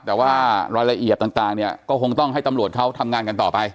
แต่ว่ารายละเอียดต่างเนี่ยก็คงต้องให้ตำรวจเขาทำงานกันต่อไป